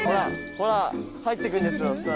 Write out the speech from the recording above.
ほら入ってくんですよ巣穴に。